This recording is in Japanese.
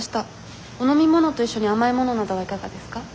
お飲み物と一緒に甘い物などはいかがですか？